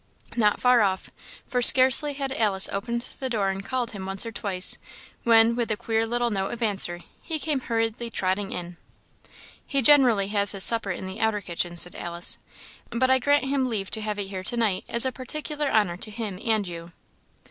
Not far off; for scarcely had Alice opened the door and called him once or twice, when, with a queer little note of answer, he came hurriedly trotting in. "He generally has his supper in the outer kitchen," said Alice "but I grant him leave to have it here to night, as a particular honour to him and you."